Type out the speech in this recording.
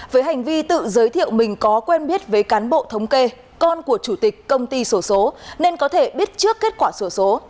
với hành vi tự giới thiệu mình có quen biết với cán bộ thống kê con của chủ tịch công ty sổ số nên có thể biết trước kết quả sổ số